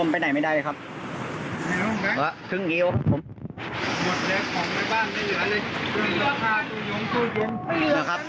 เพิ่มไปไหนไม่ได้ครับสึงเหี้ยวครับผม